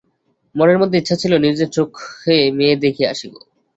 মনের মধ্যে ইচ্ছা ছিল, নিজের চোখে মেয়ে দেখিয়া আসিব।